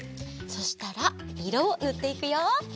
そしたらいろをぬっていくよ。